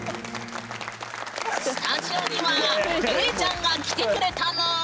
スタジオにはルエちゃんが来てくれたぬん。